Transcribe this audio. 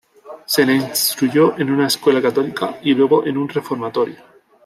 Se le instruyó en una escuela católica, y luego en un reformatorio.